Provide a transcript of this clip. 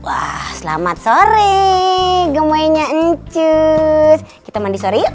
wah selamat sore gemenya encis kita mandi sore yuk